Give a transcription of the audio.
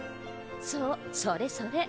そうそれそれ。